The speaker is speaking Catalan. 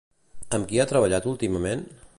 Amb qui ha treballat últimament?